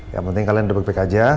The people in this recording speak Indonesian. yang penting kalian udah baik baik aja